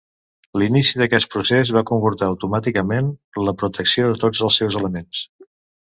L'inici d'aquest procés va comportar, automàticament, la protecció de tots els seus elements.